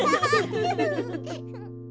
フフフフ。